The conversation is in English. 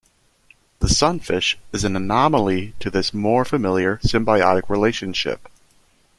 The Sunfish is an anomaly to this more familiar symbiotic relationship.